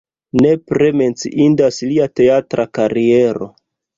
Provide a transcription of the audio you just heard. Nepre menciindas lia teatra kariero.